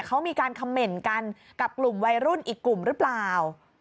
เขามีการคำเหม็นกันกับกลุ่มวัยรุ่นอีกกลุ่มหรือเปล่า